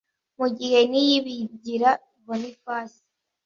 Mu gihe Niyibigira Boniface